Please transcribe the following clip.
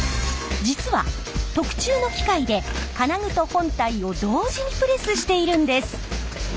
実は特注の機械で金具と本体を同時にプレスしているんです。